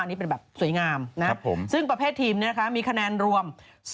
อันนี้เป็นแบบสวยงามนะครับซึ่งประเภททีมเนี่ยนะคะมีคะแนนรวม๒๐๖๒๑๑